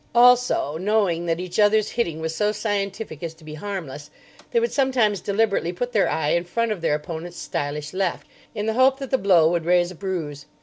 Also, knowing that each other's hitting was so scientific as to be harmless, they would sometimes deliberately put their eye in front of their opponent's stylish left, in the hope that the blow would raise a bruise.